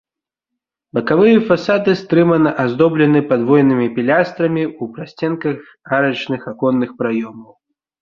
Бакавыя фасады стрымана аздоблены падвойнымі пілястрамі ў прасценках арачных аконных праёмаў.